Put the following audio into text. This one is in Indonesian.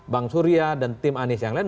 bang surya dan tim anies yang lain